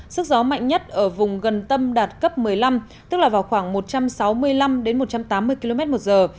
sức gió mạnh nhất ở vùng gần tâm đạt cấp một mươi năm tức là vào khoảng một trăm sáu mươi năm một trăm tám mươi km một giờ